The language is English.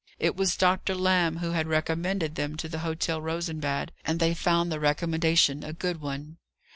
It was Doctor Lamb who had recommended them to the Hotel Rosenbad; and they found the recommendation a good one.